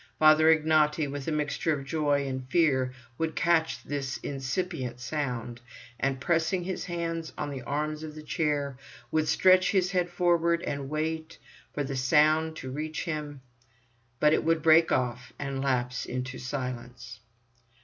Father Ignaty, with a mixture of joy and fear, would catch this incipient sound, and pressing his hands on the arms of the chair, would stretch his head forward and wait for the sound to reach him. But it would break off, and lapse into silence.